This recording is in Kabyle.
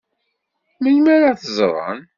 Melmi ad t-ẓṛen?